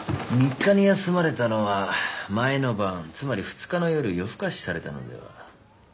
３日に休まれたのは前の晩つまり２日の夜夜更かしされたのでは？